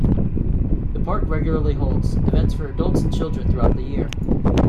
The park regularly holds events for adults and children throughout the year.